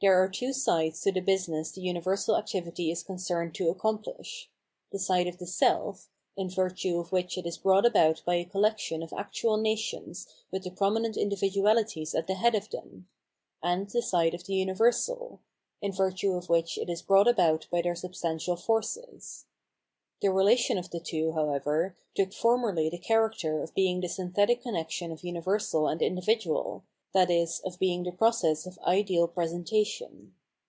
t The Epic exorcises the dead past ; v, Odyssey ^ XL 741 The Sfiritiud Worh of Art sides to the business the universal activity is concerned to accomplish ; the side of the self — ^in virtue of which it is brought about by a collection of actual nations with the prominent individualities at the head of them ; and the side of the universal — ^in virtue of which it is brought about by their substantial forces. The re lation of the two, however, took formerly the character of being the synthetic connection of universal and individual, i.e. of being the process of ideal presentation.